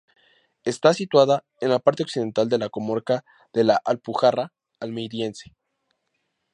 Está situada en la parte occidental de la comarca de la Alpujarra Almeriense.